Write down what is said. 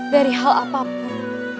dari hal apapun